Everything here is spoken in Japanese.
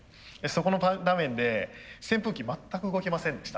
そこの場面で扇風機全く動きませんでした。